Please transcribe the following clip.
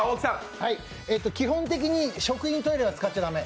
基本的に職員トイレは使っちゃ駄目。